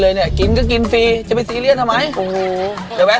เลยเนี่ยกินก็กินฟรีจะไปสีเรียสทำไมโอ้โหเดี๋ยวแวะ